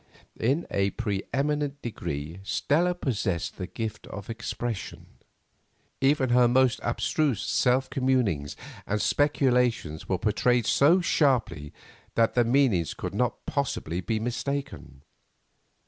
In a pre eminent degree Stella possessed the gift of expression. Even her most abstruse self communings and speculations were portrayed so sharply that their meaning could not possibly be mistaken.